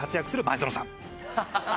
前園さん！